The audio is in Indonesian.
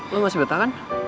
lo masih betah kan